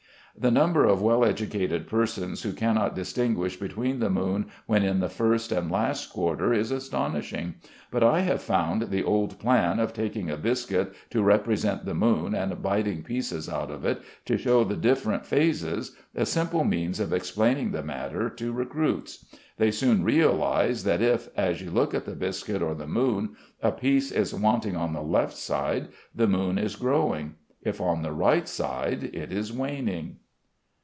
The number of well educated persons who cannot distinguish between the moon when in the first and last quarter is astonishing, but I have found the old plan of taking a biscuit to represent the moon, and biting pieces out of it to show the different phases, a simple means of explaining the matter to recruits. They soon realise that if, as you look at the biscuit or the moon, a piece is wanting on the left side, the moon is growing; if on the right side, it is waning.